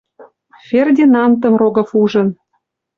«Фердинантым» Рогов ужын